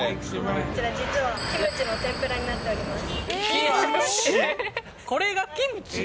こちら、実はキムチの天ぷらになっております。